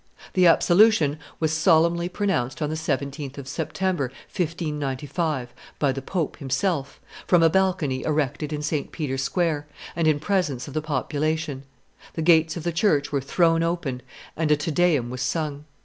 The absolution was solemnly pronounced on the 17th of September, 1595, by the pope himself, from a balcony erected in St. Peter's Square, and in presence of the population. The gates of the church were thrown open and a Te Deum was sung.